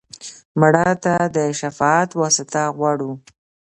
مړه ته د شفاعت واسطه غواړو